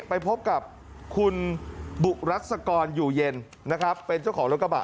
ไปพบกับคุณบุรัศกรอยู่เย็นนะครับเป็นเจ้าของรถกระบะ